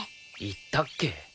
行ったっけ？